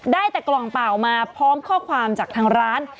ได้แต่กล่องเปล่ามาพร้อมข้อความจากทางร้าน